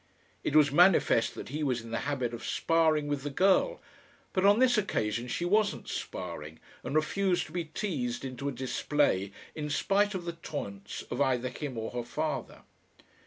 It was manifest that he was in the habit of sparring with the girl, but on this occasion she wasn't sparring and refused to be teased into a display in spite of the taunts of either him or her father.